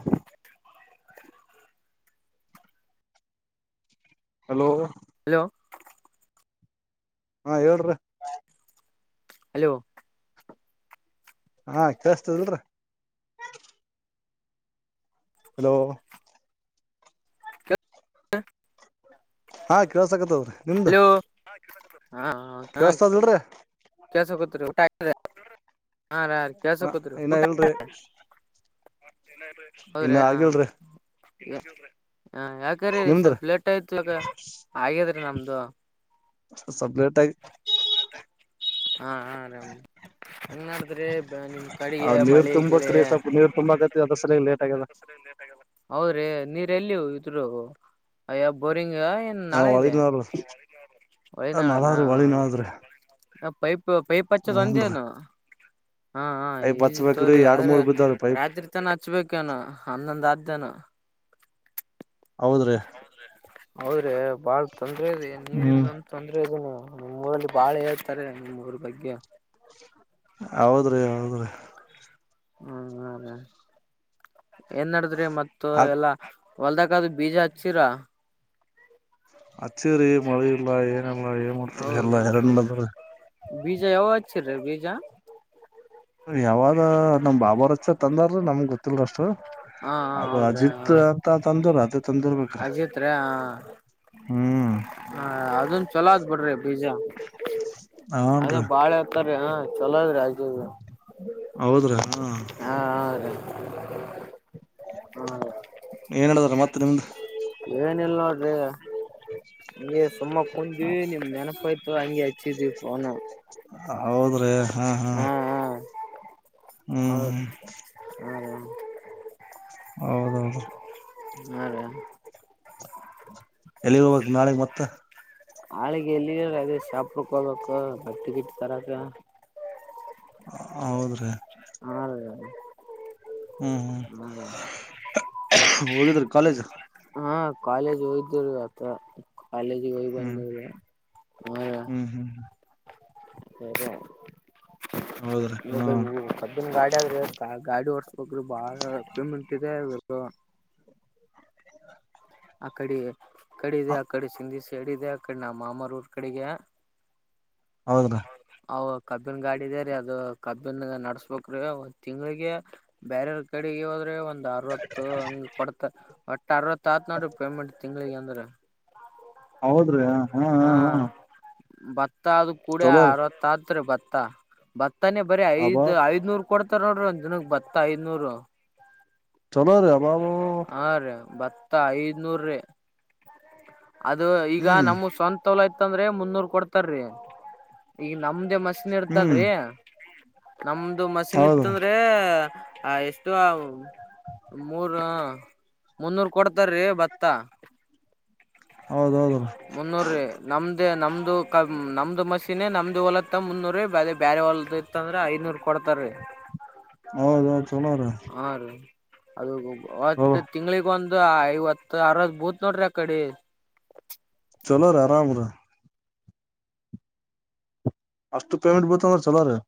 ಹ hello hello ಹಾ ಹೇಳ್ರಿ. ಹಲೋ ಹಾ ಕೇೇಳಸ್ತದಲ್ರ. ಹಲೋ ಹಾ ಕೆಲಸ್ ಆಕತ್ದ್ರಿ ನಿಮ್ದ. ಹಲೋ ಕೇೇಳಸ್ತದಲ್ರೀ ಕೇಳಿಸಕತ್ರಿ ಊಟ ಆಯಿತ್ರಿ ಹಾ ರ ರೀ ಹ ಕೆಸಕೂತ್ರು ಇನ್ನ ಊಟ. ಇಲ್ರಿ ಹೌದ್ರಿ. ಇನ್ನ ಆಗಿಲ್ರಿ ಹ ಯಾಕ್ರೀ ನಿಮ್ದ್ರಿ ಸ್ವಲ್ಪ ಲೇಟ್ ಆಯ್ತು ಅಗ ಹಾಗಗ್ಯಾದ್ರಿ ನಮ್ದು. ಸ್ವಲ್ಪ ಲೇಟಾಗಿ ಹಾ ಆರಾಮ್ ಏನ್ ಮಾಡಡ್ತ್ರೀ ನಿಮ್ ಕಡೆಗೆ ನೀರ್ ಮಳೆ ಗಿಳೆ. ತುಂಬಕ್ರಿ ಸ್ವಲ್ಪ ನೀರ್ ತುಂಬಾಕತಿ ಅದ್ರ ಸಲ ಲೇಟ್ ಆಗ್ಯದ ಹೌದ್ರಿ ನೀರ್ ಎಲ್ಲಿ ಇದ್ರು ಅಯ್ಯ ಬೋರಿಂಗ್. ಏ ಹ ನಾಳ ಹೊಳಿ ಇದೆ ಒಳನಾಳನಾ. ನಳಾದ್ರಿ ಹೊಳಿ ನಳದ್ರಿ ಆ ಪೈಪ್ ಪೈಪ್ ಹಚ್ಚೋದು ಹೂನ್ರಿ ಒಂದೇನು. ಹಾ ಪೈಪ್ ಈಜಿ ಹಚ್ಬೇಕ್ರಿ ತೋರಿ ಎರಡ್ ಆದ್ರೆ ಮೂರ್ ಬಿದ್ದಾವ್ರಿ ಪೈಪ್ ರಾತ್ರಿ ತನ ಹಚ್ಬೇಕನು ಹನ್ನೊಂದ ಆದ್ದನು. ಹೌದ ರೀ. ಹೌದ್ರೆ ಬಾಳ್ ತೊಂದ್ರ ಇದೆ ಹ್ಮ್ ನೀರಿಂದು ಒಂದು ತೊಂದ್ರೆ ಇದದೆ ನೀ ಮ್ಮ್ ಊರಲ್ಲಿ ಬಾಳ ಹೇಳ್ತಾರೆ ನಿಮ್ಮ್ ಊರ ಬಗ್ಗೆ. ಹೌದ್ರಿ ಹೌದ್ರಿ. ಹ ಹ ರಿ. ಏನ್ ನಡದ್ರಿ ಮತ್ ಆ ಎಲ್ಲಾ ಹೊಲ್ದಕ್ಕಾದ ಬೀಜ ಹಚ್ಚಿರ ಹಚ್ಚಿರಿ ಮಳ ಇಲ್ಲಾ ಏನಲ್ಲಾ ಏನ್ ಮಾಡ್ತರಿ ಎಲ್ಲಾ ಎರಂಡ ಬಂದ್ರ ಬಿಜಾ ಯಾವ್ ರ ಬೀಜಾ ಯಾವಾಗ ನಮ್ ಬಾಬಾರಚ ತಂದಾರ ನಮ್ಗ್ ಗೊತ್ತಿಲ್ ಅಷ್ಟು ಹಾ ಅದು ಹೌದ್ರಿ ಹಾ ಅಜಿತ್ ಅಂತ ತಂದರ ಅದ ಅಜಿತ್ ರ ಹ ಹ್ಮ್ ಹ ಅದನ್ ಚಲೋ ಆ ಬಿಡ್ರಿ ಬೀಜ ಅದೇ ಹನ್ರಿ ಬಾಳೆ ಹತಾರೀ ಹ ಚಲೋದ್ರಿ ಅ ಹೌದ್ರೇನಾ ಹಾ ರೀ ಹಾ ಏನ್ ಹೇಳದಾರ ಮತ್ತೆ ನಿಮ್ದು ಏನ ಇಲ್ ನೋಡ್ರಿ ಹಗೆ ಸುಮ್ಮ ಕುಂದಿವವಿ ನಿಮ್ ನೆನಪು ಆಯ್ತು ಹಂಗ ಆ [unintelligible] ದವಿನ ಹೌದ್ರಿ ಹಾ ಹಾ ಹ್ಮ್ ಹೌ ಹ್ಮ್ ಹ್ಮ ಹೌದೌದ್ರಿ ಹಾ ರ ಎಲ್ಲಿರುವಾಗ ನಾಳೆಗೆ ಮತ್ತೆ ಹಾಳಿಗೆ ಎಲ್ಲಿ ಅ ಶಾಪ ಹೋಗಬೇಕ ಬಕ್ಟ್ಟ ಗಿಟ್ ತರಕ ಹೌದ್ರಿ ಹಾ ರ ಹ್ಮ್ ಹ್ಮ ಹ್ಮ್ ಹೋಗಿದ್ರಿ ಕಾಲೇಜ್ ಹಾ ಕಾಲೇಜ್ ಹಯ್ದೇವರು ಆತ್ರ ಕಾಲೇಜಿಗೆ ಹೋಗ್ ಹ್ಮ್ ಬಂದವ ಹ್ಮ್ ಹ್ಮ್ ಸದ ಹೌದ್ರಿ ಹ್ಮ ನ್ ಗಾಡಿ ಆದ್ರಿ ಗಾಡಿ ಹೊರ್ಸ್ಬೇಕ್ರಿ ಬಾಳ ಮಂಟ್ದೆ ಇ ಅ ಕಡೆ ಅ ಕಡೆ ಇದೆ ಅ ಕಡೆ ಸಿಧ ಚಡಿದೆ ಆ ಕಡೆ ನ ಮಾಮಾರ ಊರ್ ಕಡೆಗೆ ಹೌದ್ರಿ ಅವ ಕಬ್ಬಿಿನ ಗಾಡಿ ಇ ಇದದೆ ರೀ ಅದು ಕಬ್ಬಿನ್ ನಡಸ್ಬೇಕ್ರೀ ಒಂದ್ ತಿಂಗಳಿಗೆ ಬ್ಯರ ಕಡೆಗೆ ಹೋದ್ರಿ ಒಂದ ಒಂದು ಅರವತ್ತು ಹಂಗ ಕೊಡ್ತ ಒಟ್ಟ ಅರ್ವತ್ತು ಆತ್ ನೋಡ್ರಿ ಪೇಮೆಂಟ್ ತಿಂಗ್ಳಿಗೆ ಅಂದ್ರ ಹೌದ್ರಿ ಹಾ ಭತ್ತ ಅದು ಕೂಡ ಚಲೋರಿ ಅರವತ್ತ ಆದತ್ರಿ ಭತ್ತ ಭತ್ತ ತ್ತಾನೇ ಬರೀ ಅಬಾ ಐದ್ ಐದ್ನೂರ್ ಕೊಡ್ತಾರ ನೋಡ್ರಿ ಒಂದ್ ದಿನಗ್ ಬತ್ತ ಐದ್ನೂರು ಚಲೋರಿ ಅಬಾಬ ಹ ರ ಭತ್ತ ಐದ್ನೂರೀ ಅದು ಈಗ ಹ್ಮ್ ನಮ್ಮ ಸ್ವಂತ ತೋಲ ಆಯತ್ಂದ್ರೆ ಮುನ್ನೂರ್ ಕೊಡ್ತಾರಿ ಈಗ ನಮ್ದೇ ಮಸನ್ ಹ್ಮ್ ಇರ್ತಲ್ರಿ ನಮ್ದು ಮಸಿನ್ ಹೌದ್ರಿ ಇತ್ತಂದ್ರೆ ಆ ಎಷ್ಟು ಮೂರ ಮುನ್ನೂರ್ ಕೊಡ್ತಾರೀ ಭತ್ತ ಹೌದ ಹೌದು ಮುನ್ನೂರೀ ನಮ್ದ ನಮ್ದು ಕ ನಮ್ದು ಮಶೀನ್ ನಮ್ದು ಹೊಲತ್ತ ಮುನ್ನೂರೀ ಬ ಬೇರೆ ಹೊಲ್ದ ಇತ್ತ ಅಂದ್ರ ಐನೂರ್ ಕೊಡ್ತಾರೀ ಹೌದೌದು ಚಲೋರಿ ಹಾ ರೀ ಅದು ಅವತ್ತ ತಿಂಗಳಿಗ ಒಂದು ಐವತ್ತು ಆರ್ ಭೂತ್ ನೋಡ್ರಿ ಆ ಕಡೆ ಚಲೋ ರ ಆರಾಮ ರ ಅಷ್ಟು ಪೇಮೆಂಟ್ ಬತ ಸಲ್ಲ ರ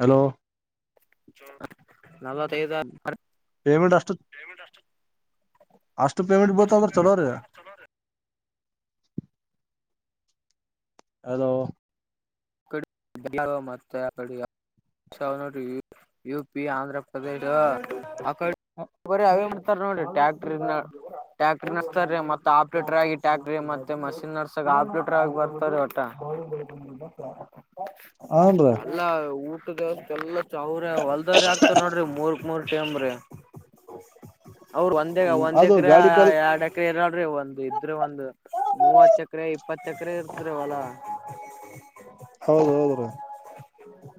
ಹಲೋ ನಲವತ್ತೈಐದು ಪೇಮೆಂಟ್ ಅಷ್ಟು ಅಷ್ಟಟು ಪೇಮಂಟ್ ಬತ ಚಲೋ ರ ಅಲೋ ಅ ಮತ್ತೆಡಿಯ ಎ ಸಾವಿರನ ಯುಪಿ ಆಂಧ್ರ ಪ್ರ್ರದೇಶ ಆ ಬರಿ ಅವೇ ಮಾಡ್ತಾರ ನೋಡಿ ಟ್ಯಾಕ್ಟ್ರ ಇ ಟ್ಯಾಕ್ಟ್ರಿ ನಡ್ಸ್ತಾರೀ ಮತ್ತೆ ಆಪ್ರೇಟರ್ ಆಗಿ ಟ್ಯಾಕ್ಟ್ರಿ ಮತ್ತೆ ಮಷಿನ್ ನಡ್ಸಾಗ ಆಪ್ರೇಟರ್ ಆಗಿ ಬರ್ತಾರ ಒಟ ಹನ್ರೀ ಎಲ್ಲ ಊಟದ ದೇವಸ್ ಎಲ್ಲ ಚ ಅವ್ರ ಹೊಲ್ದವ್ರ ಆಗ್ತಾರ ನೋಡ್ರಿ ಮೂರ್ಕ್ ಮೂರ್ ಚಮರೆ ಅವ್ರ ಒಂದೆಗ ಹ್ಮ್ ಒಂದ್ ಅದು ಎಕರೆ ಗಾಡಿ ಕಲ್ ಎರಡ್ ಎಕರೆ ಇರಲ್ಿ ಒಂದ್ ಇದ್ರ ಒಂದ್ ಮೂವತ್ ಎಕರೆ ಇಪ್ಪತ್ತ ಎಕರೆ ಇರ್ತರವಲ ಹೌದ ಹೌದ್ರ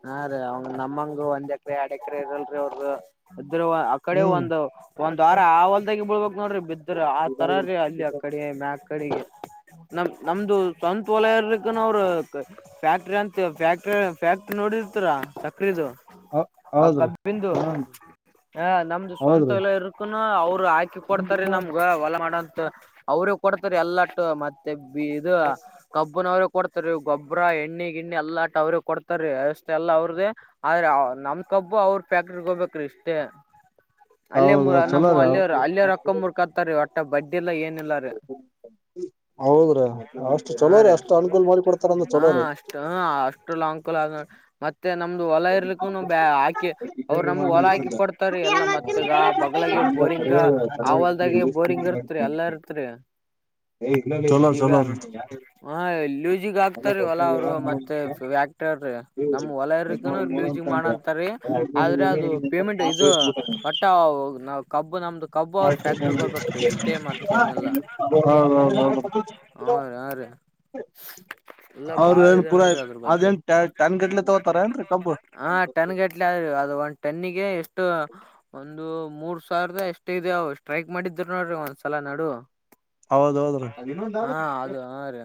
ಹಾ ರೀ ಅವಂಗ ನಮ್ಮಂಗ ಒಂದ್ ಎಕರೆ ಎರಡ್ ಎಕರೆ ಇರಲ್ರಿ ಅವರು ್ರ ಆ ಕಡೆ ಹ್ಮ್ ಒಂದು ಒಂದ್ ವಾರ ಆ ಹೊಲ್ದಾಗಿ ಬಳ್ಬೇಕು ನೋಡ್ರಿ ಬಿದ್ರ ಆ ತರರೀ ಹೌದ್ರಿ ಅಲ್ಲಿ ಆ ಕಡೆ ಮ್ಯಾ ಅ ಕಡೆಿಗೆ ನಮ ನಮ್ದು ಸಂತ ವಲಯರ್ ಅವರು ಫ್ಯಾಕ್ಟ್ರಿ ಅಂತ ಫ್ಯಾಕ್ಟ್ರಿ ಫ್ಯಾಕ್ಟ್ರಿ ನೋಡಿರ್ತರ ಸಕ್ರದು ಹ ಆ ಕಬ್ಬಿಂದು ಹ ನಮ್ದು ಸ್ವಂತ ಹೌದ್ರಿ ಎಲ್ಲ ಇರುಕ್ಕ ಅವ್ರು ಹಾಕಿ ಕೊಡ್ತಾರಿ ನಮ್ಗ ಹೊಲ ಮಾಡಂತ ಅವ್ರ ಕೊಡ್ತಾರ ಎಲ್ಲಟ್ಟು ಮತ್ತೆ ಇದು ಕಬ್ಬುನವರು ಕೊಡ್ತಾರೆ ಗೊಬ್ಬರ ಎಣ್ಣೆ ಗಿಂಡಿ ಎಲ್ಲಾ ಆ ಅವ್ರಿಗೆ ಕೊಡ್ತಾರೀ ಅಷ್ಟ ಎಲ್ಲ ಅವ್ರದೇ ಆದ್ರ ನಮ್ ಕಬ್ು ಅವ್ರ ಫ್ಯಾಕ್ಟ್ರಿಗ್ ಹೋಗ್ಬೇಕು್ರೀ ಅಷ್ಟೇ ಅಲ್ಲೇ ಹೌದ ಚಲೋ ನಮ್ಮ ರೀ ಅಲ್ಲಿ ಅಲ್ಲೇ ರೊಕ್ಕ ಮುರ್ಕತ್ತ ರ ಒಟ್ಟೆ ಬಡ್ಡಿ ಎಲ್ಲ ಏನ್ ಲ್ಲ ಹೌದ್ರಿ ಅಷ್ಟು ಹಾ ಚಲೋ ರೀ ರ ಅಷ್ಟು ಅನುಕೂಲ ಮಾಡಿ ಕೊಡ್ತಾರ ಅಂದ್ರ ಹ ಚಲೋ ರೀ ಅಷ್ಟ ಹ ಅಷ್ಟು ಲಾಂಗಕೂಲ ಮತ್ತೆ ಮತ್ತೆ ನಮ್ದು ಹೊಲ ಇರ್ಲಿಕ್ಕು ಬ ಹಾಕಿ ಅವ್ರು ನಮ್ಗೆ ಹೊಲ ಹಾಕಿ ಕೊಡ್ತಾರೆ ಎಲ್ಲಾ ಮತ್ತೆಗ ಬಲ ಬೋರಿಂಗ್ ಆವಲ್ದಾಗೆ ಬೋರಿಂಗ್ ಇರ್ತ್ರಿ ಎಲ್ಲಾ ಇರ್ತ್ರಿ ಚಲೋ ಈಗ ಚಲೋ ಹ ಎ ಲೂಸಿಗ್ ಆಗ್ತಾರೀ ಹೊಲ ಅವರು ರೀ. ಮತ್ತೆ ವ್ಯಾಕ್ಟ್ರ್ರ ನಮ್ ಹೊಲ ಅವ್ರ ೂ ಮಾಡಂತ ಆದ್ರೆ ಅದು ಪೇಮೆಂಟ್ ಇದು ಮಟ್ಟ ನ ಕಬ್ಬು ನಮ್ದು ಕಬ್ಬು ಅವ್ರ ಫ್ಯಾಕ್ಟ್ರಿ ಹಡ್ಬೇಕೀ ಎಷ್ಟೇ ಮತ್ತ ಏನೆಲ್ಲ ಹ ರೀ ಹಾ ರೀ ಎಲ್ಲ ಅವ್ರ ಬಾಳ ಏನ್ ಇದೆ ಪೂರ ನೋಡ್ರಿ ಅದ್ರ ಅದ ಬಗ್ಗೆ ನ್ ಟ್ಯಾನ್ ಗಟ್ಲೆ ತ ಹಾ ಟನ್ ಗಟ್ಲೆ ಅ ಅದು ಒಂದು ಟನ್ನಿಗೆ ಎಷ್ಟು ಒಂದು ಮೂರ್ ಸಾವಿರದ ಎಷ್ಟ ಇದೆ ಅವವು ಸ್ಟ್ರೈಳಕ್ ಮಾಡಿದ್ರ ನೋಡ್ರಿ ಒಂದ್ಸಲ ನಾಡು ಹೌದೌದ್ರೀ ಹಾ ಅದು ಹ ರೀ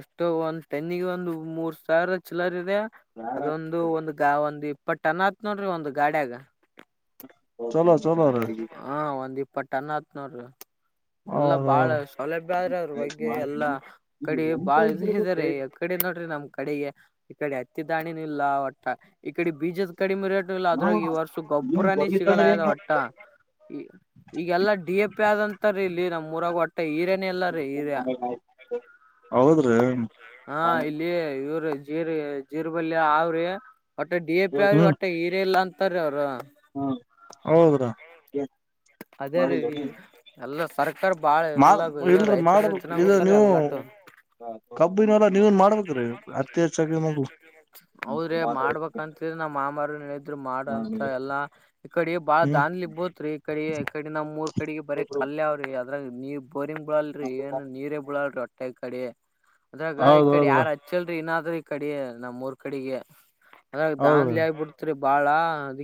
ಎಷ್ಟೋ ಒಂದ್ ತೆನ್ನಿಗೆ ಒಂದು ಮೂರ್ ಸಾವಿರ ಚಲರ್ ಇದೆ ಅದೊಂದು ಒಂದು ಗಾ ಒಂದು ಬಟ್ ಅನ್ ಆತ್ ನೋಡ್ರಿ ಒಂದು ಗಾಡಿಯಾಗ ಚಲೋ ಚಲೋ ಪ್ಪಟ್ಟನ್ನ ಹತ್ನೂರು ಎಲ್ಲ ಬಾಳ ಹೌದೌದು ಸೌಲಭ್ಯ ಆದ್ರೆ ಅದ್ರ ಬಗ್ಗೆ ಎಲ್ಲಾ ಕಡೆ ಬಾಳ ಇ ಇದ್ದಾರೆ ಯ ಈ ಕಡೆ ನೋಡ್ರಿ ನಮ್ ಕಡೆಗೆ ಈ ಕಡೆ ಹತ್ತಿ ದಾಾಣಿಿನ ಇಲ್ಲ ಒಟ್ಟ ಈ ಕಡೆ ಬೀಜದ ಕಡಿಮೆ ರೇಟ್ ಇಲ್ಲ ಅದ್ರಾಗ ಈ ವರ್ಷ ಗೊಬ್ಬರನೇ ಸಿಗಲ್ಲ ಈ ಈಗೆಲ್ಲಾ ಡಿ ಎ ಪಿ ಆದಂತರ ಇಲ್ಲಿ ನಮ್ಮ್ ಊರಾಗ ಒಟ್ಟ ಮತ್ತೆ ಹೀರೇನ ಎಲ್ಲಾರೀ ಹೀರ್ಯ ಹೌದ್ರಿ ಹಾ ಇಲ್ಲಿಯ ಇವರು ಜೀರ್ ಜೀರ್ಬಲ್ಯ ಅವ್ರಿ ಒಟ್ಟೆ ಡಿ ಎ ಪಿ ಅವ್ರಿ ಒಟ್ಟೆ ಹೀರ ಇಲ್ಲ ಅಂತಾರೀ ಅವ್ರರು ಹ ಹೋಗದ ಅದೇ ರೀ ಎಲ್ಲ ಸರ್ಕಾರ ಬಾಳ ಮಾಡ ಎಲ್ಲ ಇಲ್ರಿ ರೈತರ ಮಾಡಬ ಜೊತೆನ ಇದು ಕೂತಾರ ನೀವು ಎಲ್ಲಾಟು ಕಬ್ಬಿನವ ಹೌದ್ರಿ ಮಾಡ್ಬೇಕಂತಿದ್ರ ನಾ ಮಾಮಾರ ಹೇಳಿದರು ಮಾಡಂತ ಎಲ್ಲಾ ಈ ಕಡೆ ಬಾಳ ಹ್ಮ್ ದನ್ಲಿ ಇಗ್ಬೋತ್ ರೀ ಈ ಕಡೆಡೆ ನ ಮೂರ್ ಕಡೆ ಬರ ಕ ್ರಿ ಅದ್ರಾಗ ನೀ ಬೋರಿಂಗ್ ಬಳಲ್ರಿ ಏನು ನೀರೇ ಬಳಲ್ರಿ ಹೊಟ್ಟೆ ಕಡೆ ಅದ್ರಾಗ ಈ ಕಡೆ ಹೌದೌದು ಯಾರ್ ಹಚ್ಚಲ್ರಿ ಇನಾದ್ರ ಈ ಕಡೆ ನಮ್ೂರ್ ಕಡೆಗೆ ಅದ್ರ ಹೌದು ಹೌದು ದಾನ್ಲಿ ಆಗಿ ಬಿಡ್ತ್ರಿ ಬಾಳ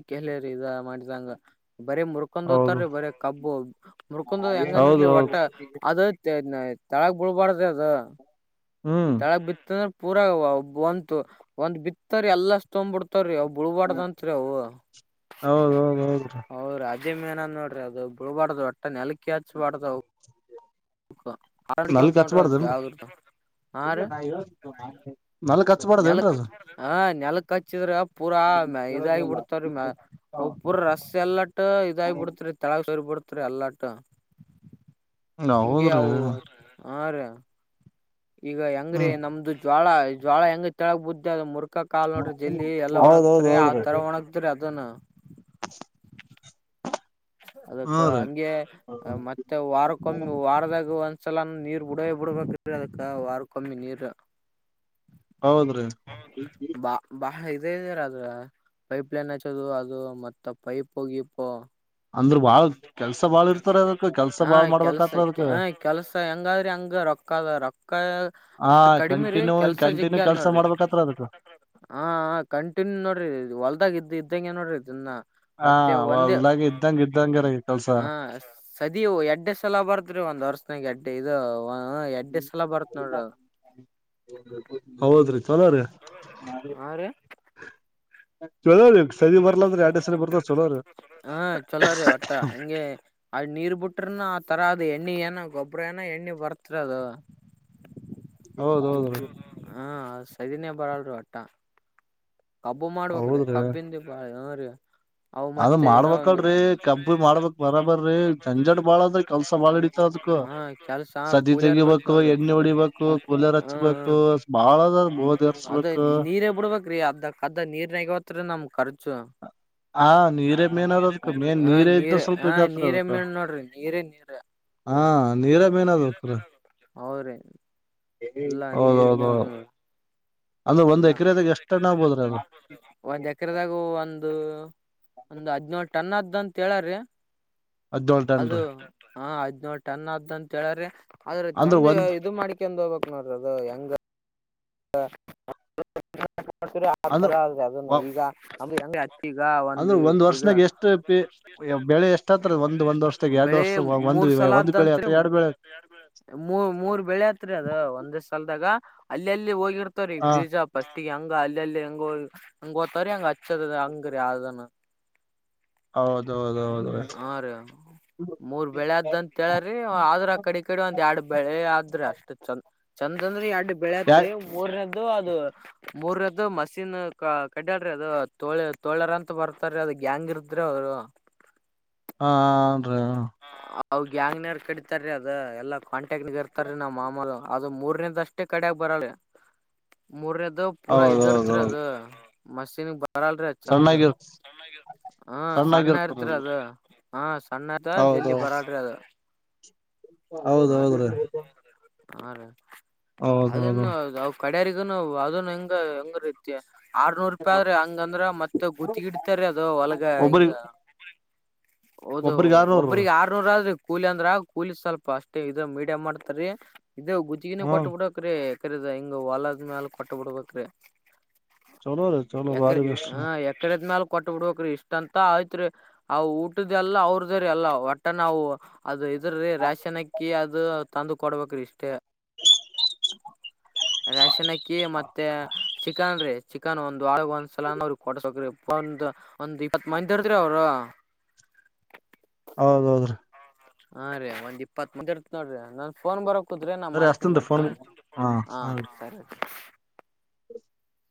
ಅಿಕ್ಕೆಲಿಯರು ಇದ ಮಾಡಿದಂಗ ಬರೀ ಮುರ್ಕೊಂಡ ಹೌದ ಹತಾರೀ ಬರೀ ಕಬ್ಬು ಮುರ್ಕೊಂಡ ಹೆಂಗನ್ ಇರ್ಲಿ ಹೌದು ಒಟ್ಟ ಅದ ತಳಗ್ ಬಿಳ್ಬಾರ್ದ ಅದು ಹ್ಮ್ ತಳಗ್ ಬಿತ್ತ ಅಂದ್ರ ಪೂರ ಒಬ್ಬ ಒಂತ ಒಂದ್ ಬಿತ್ತರಿ ಎಲ್ಲಷ್ಟ ತೊಂಬ್ಬ ಬಿಡ್ತವ್ರಿ ಒಬ್ಬ ಉಳ್ಬಡ್ದತ್ರಿ ಅವು ಹ ಹೌದ ಹೌದ ಹೌದ್ರಿ ಮದಮ್ ಏನ ನೋಡ್ರಿ ಅದು ಬಿಳ್ಬಾರಡ್ದ ಹೊಟ್ಟೆ ನೆಲಕಿ ಹಚ್ಬಾರ್ದ ಹರೋಡಕ್ಕೆ ಹೋಗ ನೋಡ್ರಿ ಅದ ಯಾವ್ದರ್ದು ನಾನ್ ಹೇಳ್ತಿ ತಗೋ ನಲ್ಚ್ಬದೇಏನ್ರ ಅದು ನೆಲ ಕಚ್ಚಿದ್ರ ಪೂರಾ ಇದಾಗಿ ಬಿಡ್ತವ್ರೀ ಅ ಪೂರ ರಸ್ ಎಲ್ಲಟ್ಟ ಇದಾಗಿ ಬಿಡತೀ ತಳಗ ಸರಿ ಬಿಿಡ್ತ ಹತ್ರಿ ಅಲ್ಲಟ ಹಂಗೆ ಹೌದ್ರಿ ಅವು ಹಾ ರೀ ಈಗ ಹೆಂಗ್ರೀ ಹ್ಮ್ ನಮ್ದು ಜ್ೋಳ ಜ್ೋಳ ಹೆಂಗ ತೆಳಗ ಬುದ್ದ ಅದ ಮುರ್ ಚಕ್ಕ ಕಾಲ್ ನೋಡ್ರಿ ಜಲ್ಲಿ ಎಲ್ಲ ಹೌದೌದ್ ಒಣಗತರಿ ಆ ಹೌದ್ರಿ ತರ ಒಣಗತ್್ರರಿ ಅದನ್ ಅದಕ್ಕ ಹಾ ರೀ ಹಂಗೆ ಮತ್ತೆ ವಾರಕ್ಕೊಮ್ಮಿ ವಾರದ್ಯಾಗಂತ ಸಲಾನ ನೀರ್ ಬಿಡ ಬಿಡ್ಬೇಕ್ರಿ ಅದಕ್ಕ ವಾರ ಕಮ್ಮಿ ನೀರ್ ಹೌದ್ರಿ ಹೌದ್ರಿ ರಿ ಭಾಳ ಭಾಳ ಅದೇ ಇದ ಅ ಪೈಪ್ ಲೈನ್ ಹಚ್ಚದು ಅದು ಮತ್ತ ಪೈಪ್ ಹೋಗಿಪ್ಪ ಅಂದ್ರ ಬಾಳ ಕೆಲ್ಸ ಬಾಳ ಇರ್ತಾರ ಅದಕ್ ಕೆಲ್ಸ ಹ ಬಾಳ್ ಕೆಲ್ಸ ಮಾಡ್ಬೇಕತ್ರ ಅದಕ್ ಹ ಕೆಲ್ಸ ಹೆಂಗಾದ್ರೆ ಹಂಗ ರೊಕ್ಕದ ರೊಕ್ಕ ಹಾ ಎಷ್ಟ್ ಕಡಿಮೆ ರೀ ಕಂಟಿನ್ಯೂ ಕೆಲ್ಸ ಜಗ್ಗಿ ಕಂಟಿನ್ಯೂ ಅದ್ ಕೆಲ್ಸ ನೋಡ್ರಿ ಮಾಡ್ಬೇಕತ್ರ ಅದಕ್ ಹಾ ಕಂಟಿನ್ಯೂ ನೋಡ್ರಿ ಹೊಲ್ದಾಗ ಇದ್ ಇದ್ದಂಗಗೆ ನೋಡ್ರಿ ಇದನ್ನ ಹ ಮತ್ತೆ ಒಂದೇ ಹೊಲ್ದಾಗ ಇದ್ದಂಗ ಇದ್ದಂಗ ಹ ಸದ ಎಡ್ಡೆ ಸಲ ಬರ್ತ್ೀ ಒಂದ್ ವರ್ಷನಾಗ ಎಡ್ಡೆ ಇದು ಹ ಎಡ್ ದ್ಸಲ ಬರುತ್ ನೋಡ್ರ ಹೌದ್ರಿ ಚಲೋ ರೀ ನೋಡ್ರಿ ಬರ್ತಾವ ಚಲೋರಿ ಹಾ ಚಲೋ ರೀ ಒಟ್ಟ ಹಂಗೆ ಆ ನೀರ್ ಬಿಟ್ಟ ಬಿಟ್ರನ ಆ ತರ ಅದು ಎಣ್ಣಿ ಏನ ಗೊಬ್ಬ್ರ ಏನೋ ಎಣ್ಣೆ ಬರ್ತ ಅದು ಹೌದೌದುೌದು ಹಾ ಸದನ್ಯ ಬರಲ್ರಿ ಹೊಟ್ಟಾ ಕಬ್ಬು ಮಾಡ್ಬ್ರೀ ಹೌದ್ರಿ ಕಬ್ಬಿಂದಿ ಬಾಳ ಹ ರೀ ಅವು ಅದ ಮತ್ತೆ ಏನೋ ಒಂದು ಮಾಡ್ಬಲ್್ರೀ ಕಬ್ಬಿ ಮಾಡ್ಬಕ್ ಬರಾಬರ್ರೀ ಜಂಜಟ್ ಬಾಳದ್ರ ಕೆಲ್ಸಾ ಬಾಳ ಹಿಡಿತ ು ಹಾ ಕೆಲ್ಸ ಸದಿ ಕೂಲಿ ಇರ್ಬೇಕ್ ತೆಗಿಬೇಕು ನೋಡ್ರಿ ಎಣ್ಣೆ ಹೊಡಿಬೇಕು ಕೂಲೆರ್ ಹಾ ಹಚ್ಬೇಕು ಬಹಳದ ಅದ ನೀರೇ ಬಿಡ್ಬ್ರೀ ಅದ ಅದ್ದ ನೀರ್ನಗವತ್ ನಾಮ್ ಖರ್ಚು ಹಾ ನೀರೇ ಮೇನ್ ಅದದಕ್ ಮೇನ್ ಹ ನೀರೇ ಇದ್ದ ನೀರ ಸ್ವಲ್ಪ ಹ ಇದತ್ರ ನೀರ ಅದಕ್ ಮೇಲೆ ನೋಡ್ರಿ ನೀರೇ ನೀರ ಹಾ ನೀರ ಮೇನ್ ಅದ ಹತ್ರತ್ರ ಹೌದ್ರಿ ಹೌದೌದ ಅಂದ್ರೆ ಇ ಒಂದ್ ಎಕರೆದಾಗ ಎಷ್ಟಣ್ಣ ಆಗ್ಬೋದ್ರಿ ಅದು ಒಂದ್ ಎಕರೆದಾಗ ಒಂದು ಒಂದು ಹದ್ಿನಳ್ು ಟನ್ ಅದಂತ ಹೇಳಾರಿ ಹದ್ನೇಳ್ ಟನ್ ಅದು ರೀ ಹ ನೋ ಟನ್ ಆದ ಅಂತ ಹೇಳ್ರಿ ಆದ್ರ ಅಂದ್ರ ಚಂದ ಒಂದ್ ಇದು ಮಾಡಕೊಂಡ್ ಹೋಗ್ಬೇಕಕ್ ನೋಡ್ರಿ ಅದು ಹೆಂಗ ಆ ಅಂದ್ರ ತರ ಆದೆ ಅದನ್ನ ಈಗ ನಮ ಈಗ ಅಂದ್ರ ಒಂದು ಒಂದ್ ಇದು ವರ್ಷನಾಗ ಎಷ್ಟು ಪಿ ಬೆಳೆ ಎಷ್ಟ ಆತ್ರ ಒಂದ್ ಒಂದ್ ವರ್ಷದಾಗ ಎರಡ್ ಬೆಳಿ ವರ್ಷ ಮೂರು ಒಂದ್ ಮೂರ್ ಸಲ ಒಂದ್ ಬೆಳೆ ಆದದಂತ್ರಿ ಆತ ಎರಡ್ ಬೆಳೆ ಮೂ ಮೂರ್ ಬೆಳೆ ಆತ್ರಿ ಅದು ಒಂದೇ ಸಲದಾಗ ಅಲ್ಲೆಲ್ಲಿ ಹೋಗಿರ್ತ್ರ ಹ ಬೀಜ ಪಫಸ್ಟ್ಿಗೆ ಹಂಗ ಅಲ್ಲೆಲ್ಲಿ ಹೆಂಗ ಹಂಗ ತಾರ ಹಂಗ ಅ ಹಂಗರಿೀ ಅದಾನ ಹೌದು ಹೌದೌದೌದು ಹೌದು ಹಾ ರಿ ಮೂರ್ ಬೆಳೆ ಆದದಂತ ಹೇಳ್ರಿ ಆದ್ರ ಆ ಕಡೆ ಕಡೆ ಒಂದ್ ಎರಡ್ ಬೆಳೆ ಆದ್ರೆ ಅಷ್ಟು ಚಂದ ಚಂದ ಅಂದ್ರ ಎರಡ್ ಯ ಬೆಳೆಹತ್ರಿ ಮೂರ್ನದದು ಅ ಮೂರದದು ಮಸೀನ್ ಕಡಲ್ೀ ಅದು ತೋಳ ತೋಳರ್ ಅಂತ ಬರ್ತಾರ ಅದು ಗ್ಯಾಂಗ್ ಹಂಗಿದ್ರೆ ಅವ್ರು ಹಾ ಹನ್ರಿ ಹ ಅವ ಗ್ಯಾಂಗ್ನ ಕಡಿತತಾರೀ ಅದ ಎಲ್ಲಾ ಕಾಂಟ್ಯಾಕ್ಟ್ಗ ಇರ್ತಾರ ರೀ ನಮ್ಮ ಮಾಮೂಲು ಅದು ಮೂರ್ನದ ಅಷ್ಟೇ ಕಡಿಯಾಗ ಬ ಬರ ಮೂರನದು ಪೂರ ಇದರ್ತ್ರಿ ಹೌದೌದೌದು ಅದು ಮಸೀನ್ ಬರಲ್ರಿ ಚಂದ ಸಣ್ಣಾಗಿರ್ ಹ ಸಣ್ಣ ಸಣ್ಣಾಗಿರ್ತದ ಇಐತ್ರಿ ಅದ ಹ ಸಣ್ಣ ಅದ ಜಲ್ಲಿ ಬರಾಡ್ರಿ ಅದು ಹೌದ ಹಾ ಹೌದದು ರೀ ಹಾ ರ ಅದನ್ನು ಅವ ಕಡ್ಯಾರಿಗನು ಅದನ್ನು ಹೆಂಗ ಹೆಂಗ ರೀತ ಆರ್ನೂರ್ ರೂಪಾಯಿ ಆದ್ರಿ ಹಂಗಂದ್ರ ಮತ್ತ ಗತ್ತಗಿಡ್ತರಿ ಅದು ಹೊಲ್ಗ ಹಿಂಗ ಒಬ್ಬ್ರಗ್ ಹೌದು ಒಬ್ಬ್ರಗ್ ಆರ್ನೂರು ಒಬ್ಬ್ರಿಗೆ ಆರ್ನೂರ ಆದ್ರೂ ಕೂಲಿ ಅಂದ್ರ ಕೂಲಿ ಸ್ವಲ್ಪ ಅಷ್ಟೇ ಇ ಮೀಡಿಯಂ ಮಾಡ್ತಾರೀ ಇ ಗುಜಗಿನ ಹ್ಮ ಕೊಟ್ಟ ಬಿಡಕ್ರೀ ಬದ ಹಿಂಗ ಹೊಲದ ಮ್ಯಾಲ ಕೊಟ್ಟ ಬಿಡ್ಬೇಕೇರೀ ಚಲೋ ರೀ ಚಲೋ ಎಕರೆ ಬಾರಿ ಬೆಸ್ಟ್ ಹ ಎಕರೆದ ನಲ್ಕು ಕೊಟ್ಟ ಬಿಡ್ಕ್ರೀ ಇಷ್ಟ ಅಂತ ಆಯ್ತ್ರಿ ಆ ಊಟದಲ್ಲ ಅವ್ರ ಅ್ರ ಅಲ್ಲ ಒಟ್ಟ ನಾವು ಅದು ಇದ್ರೀ ರೇಶನ್ಕ್ಕಿ ಅದು ತಂದು ಕೊಡ್ಬೇಕ್ರಿ ಇಷ್ಟೇ ರಶನಕ್ಕಿ ಮತ್ತೆ ಚಿಕನ್ ರೀ ಚಿಕನ್ ಒಂದು ಳಗ ಒಂದ್ಸಲಾನ ಅವ್ರಿಗೆ ಕೊಡ್ಸಕ್ರಿ ಒಂದ ಒಂದ್ ಇಪ್ಪತ್ ಮಂದರ್ತ್ ಅವ್ರ ಹೌದೌದ್ರಿ ಹಾ ರೀ ಒಂದ್ ಇಪ್ಪತ್ ಮುಂದಿ ಇರ್ತ್ ನೋಡ್ರಿ ನನ್ ಫೋನ್ ಬರಕ್ ಕುದ್ರೆ ನಾನ್ ಸರಿ ಮಾಡ್ತನ ಅಷ್ಟತನ್ ಫೋನ್ ಮತ್ತ ಹ ಹಾ ಸರಿ [inaudible]